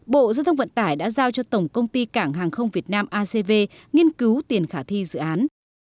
bộ giao thông vận tải đã giao cho tổng công ty cảng hàng không việt nam acv nghiên cứu tiền khả thi dự án